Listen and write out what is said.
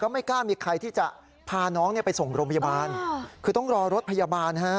ที่ถูกรอรถพยาบาลนี่ครับ